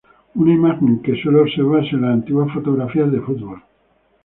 Una imagen que suele observarse en las antiguas fotografías de fútbol.